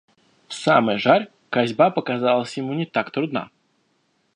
В самый жар косьба показалась ему не так трудна.